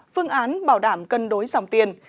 phương án bảo đảm cân đối dòng tiền